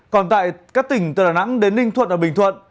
còn tại các tỉnh từ đà nẵng đến ninh thuận và bình thuận